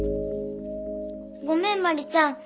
ごめん茉莉ちゃん。